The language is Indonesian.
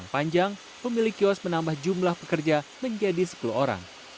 pemilik kios menambah jumlah pekerja menjadi sepuluh orang